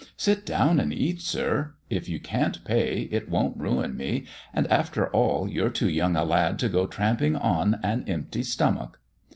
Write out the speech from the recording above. " Sit down and eat, sir. If you can't pay, it won't ruin me ; and, after all, you're too young a lad to go tramping on an empty stomach.